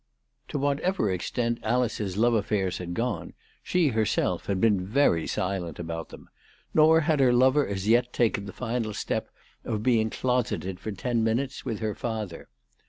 To whatever extent Alice's love affairs had gone, she herself had been very silent about them ; nor had her lover as yet taken the final step of being closeted for ten minutes with her father.